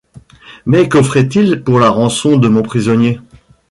Mais qu’offrait-il pour la rançon de mon prisonnier?